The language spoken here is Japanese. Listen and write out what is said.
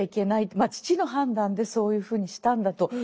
まあ父の判断でそういうふうにしたんだと思います。